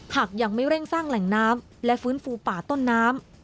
หากยังไม่เร่งสร้างแหล่งน้ำและฟื้นฟูป่าต้นน้ำ